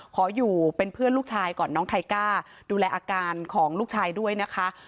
ขออยู่เป็นเพื่อนลูกชายก่อนน้องไทก้าดูแลอาการของลูกชายด้วยนะคะ